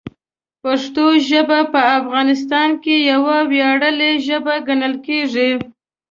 پښتو ژبه په افغانستان کې یوه ویاړلې ژبه ګڼل کېږي.